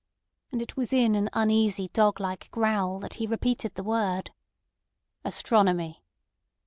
And it was in an uneasy doglike growl that he repeated the word: "Astronomy."